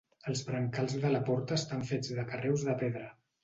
Els brancals de la porta estan fets de carreus de pedra.